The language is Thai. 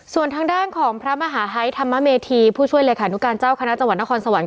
ส่วนทางด้านของพระมหาไฮทธรรมเมธีผู้ช่วยเลขานุการเจ้าคณะจังหวัดนครสวรรค